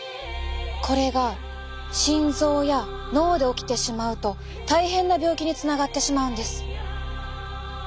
これが心臓や脳で起きてしまうと大変な病気につながってしまうんです。